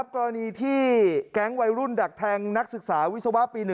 กรณีที่แก๊งวัยรุ่นดักแทงนักศึกษาวิศวะปี๑